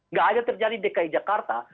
nggak hanya terjadi di dki jakarta